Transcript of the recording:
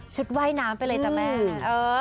ว่ายน้ำไปเลยจ้ะแม่